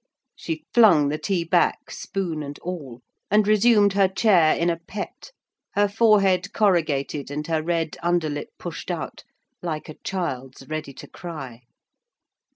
She flung the tea back, spoon and all, and resumed her chair in a pet; her forehead corrugated, and her red under lip pushed out, like a child's ready to cry.